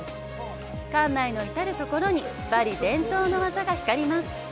館内の至るところにバリ伝統のわざが光ります。